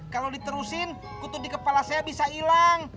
kalau diterusin kutut di kepala saya bisa hilang